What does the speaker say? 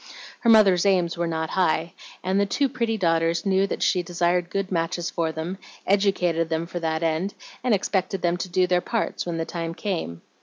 Her mother's aims were not high, and the two pretty daughters knew that she desired good matches for them, educated them for that end, and expected them to do their parts when the time came.